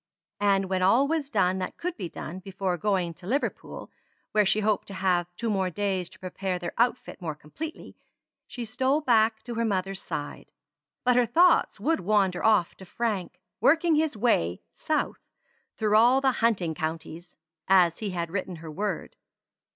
And when all was done that could be done before going to Liverpool, where she hoped to have two days to prepare their outfit more completely, she stole back to her mother's side. But her thoughts would wander off to Frank, "working his way south through all the hunting counties," as he had written her word.